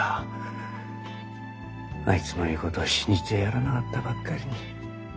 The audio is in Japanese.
あいつの言うことを信じてやらなかったばっかりに。